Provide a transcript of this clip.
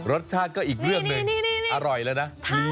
รสชาติก็อีกเรื่องหนึ่งอร่อยแล้วนะ